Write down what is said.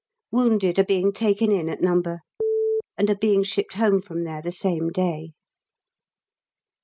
Wounded are being taken in at No. , and are being shipped home from there the same day.